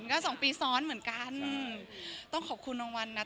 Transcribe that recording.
ก็๒ปีซ้อนเหมือนกัน